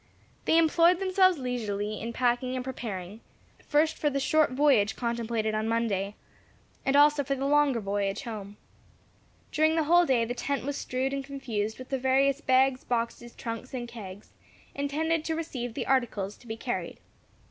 They employed themselves leisurely in packing and preparing, first for the short voyage contemplated on Monday, and also for the longer voyage home. During the whole day the tent was strewed and confused with the various bags, boxes, trunks, and kegs, intended to receive the articles to be carried.